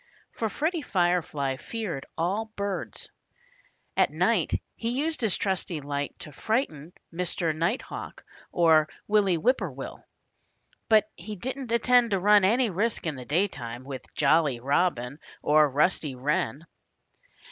For Freddie Firefly feared all birds. At night he used his trusty light to frighten Mr. Nighthawk or Willie Whip poor will. But he didn't intend to run any risk in the daytime, with Jolly Robin or Rusty Wren.